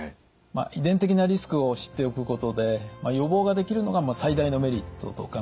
遺伝的なリスクを知っておくことで予防ができるのが最大のメリットと考えています。